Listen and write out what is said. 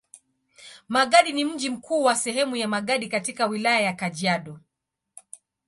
Magadi ni mji mkuu wa sehemu ya Magadi katika Wilaya ya Kajiado.